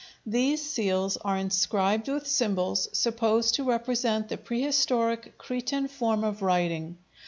These seals are inscribed with symbols supposed to represent the prehistoric Cretan form of writing.